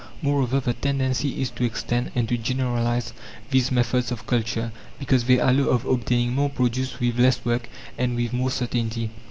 Moreover, the tendency is to extend and to generalize these methods of culture, because they allow of obtaining more produce with less work and with more certainty.